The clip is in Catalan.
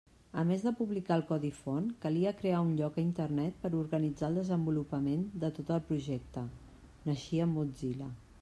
A més de publicar el codi font calia crear un lloc a Internet per organitzar el desenvolupament de tot el projecte: naixia Mozilla.